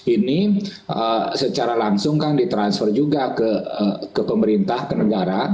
ini secara langsung kan ditransfer juga ke pemerintah ke negara